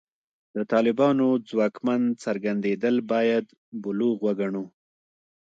د طالبانو ځواکمن څرګندېدل باید بلوغ وګڼو.